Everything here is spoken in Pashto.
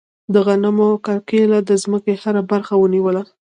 د غنمو کرکیله د ځمکې هره برخه ونیوله.